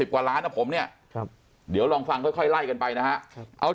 กว่าล้านนะผมเนี่ยเดี๋ยวลองฟังค่อยไล่กันไปนะฮะเอา